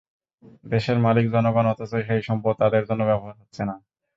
দেশের মালিক জনগণ অথচ সেই সম্পদ তাঁদের জন্য ব্যবহার হচ্ছে না।